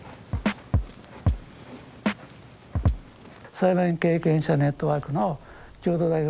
裁判員経験者ネットワークの共同代表